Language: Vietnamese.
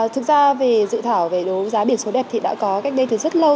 thực ra về dự thảo về đấu giá biển số đẹp thì đã có cách đây từ rất lâu